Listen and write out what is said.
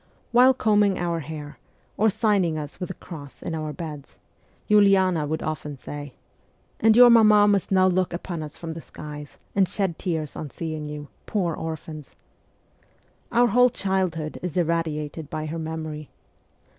While combing our hair, or signing us with the cross in our beds, Uliana would often say, ' And your mamma must now look upon you from the skies, and shed tears on seeing you, poor orphans.' Our whole childhood is irradiated by her memory.